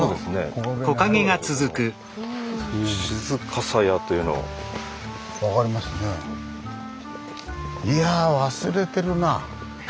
このいや忘れてるな。